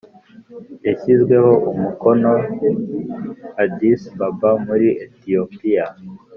yashyizweho umukono i Addis Ababa muri etiyopiya